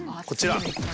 こちら。